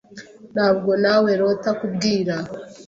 Ntabwo nawerota kubwira .